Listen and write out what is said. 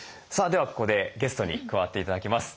ではここでゲストに加わって頂きます。